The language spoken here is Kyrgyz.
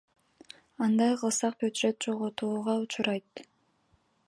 Андай кылсак бюджет жоготууга учурайт.